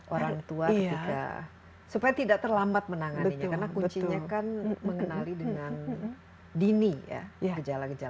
orang tua ketika supaya tidak terlambat menanganinya karena kuncinya kan mengenali dengan dini ya gejala gejala